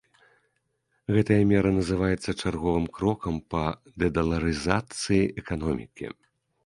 Гэтая мера называецца чарговым крокам па дэдаларызацыі эканомікі.